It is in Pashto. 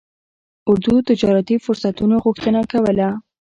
ازادو تجارتي فرصتونو غوښتنه کوله.